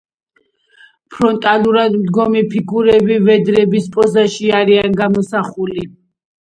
ფრონტალურად მდგომი ფიგურები ვედრების პოზაში არიან გამოსახული.